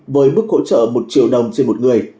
với mức hỗ trợ một triệu đồng trên một người